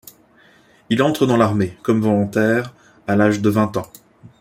Il entre dans l'armée, comme volontaire, à l'âge de vingt ans.